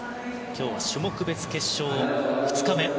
今日、種目別決勝２日目。